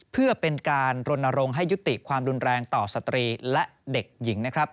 เพื่อเป็นการรณรงค์ให้ยุติความรุนแรงต่อสตรีและเด็กหญิงนะครับ